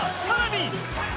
さらに］